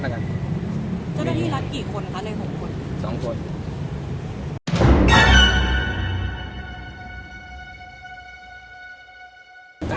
เจ้าหน้าที่รัฐกี่คนคะใน๖คน๒คน